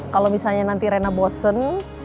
kalau misalnya nanti rena bosen